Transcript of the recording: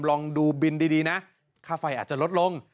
ลองดูบินดีนะค่าไฟอาจจะลดลง